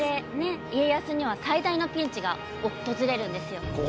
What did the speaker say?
家康には最大のピンチが訪れるんですよ。